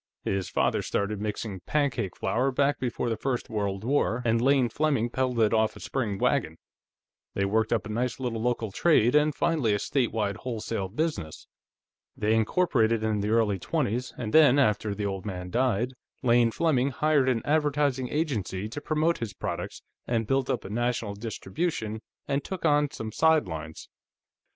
His father started mixing pancake flour back before the First World War, and Lane Fleming peddled it off a spring wagon. They worked up a nice little local trade, and finally a state wide wholesale business. They incorporated in the early twenties, and then, after the old man died, Lane Fleming hired an advertising agency to promote his products, and built up a national distribution, and took on some sidelines.